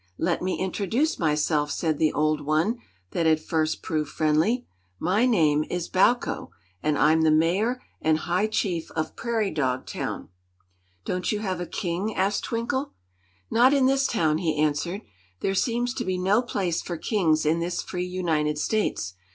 "Let me introduce myself," said the old one that had first proved friendly. "My name is Bowko, and I'm the Mayor and High Chief of Prairie Dog Town." "Don't you have a king?" asked Twinkle. "Not in this town," he answered. "There seems to be no place for kings in this free United States.